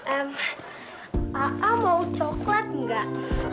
em a a mau coklat enggak